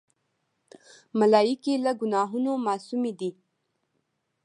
ملایکې له ګناهونو معصومی دي.